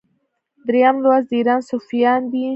دریم لوست د ایران صفویان دي.